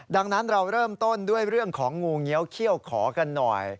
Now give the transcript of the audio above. ดังนั้นเราเริ่มต้นด้วยเรื่องของงูเงี้ยวเขี้ยวขอกันหน่อย